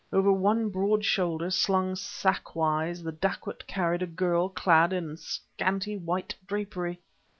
Over one broad shoulder, slung sackwise, the dacoit carried a girl clad in scanty white drapery....